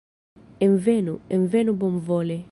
Envenu, envenu bonvole!